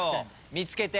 見つけて！